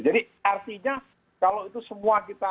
jadi artinya kalau itu semua kita